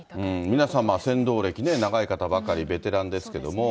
皆さん、船頭歴ね、長い方ばかり、ベテランの方ですけれども。